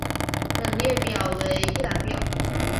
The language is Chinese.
本列表为新界区专线小巴路线的一览表。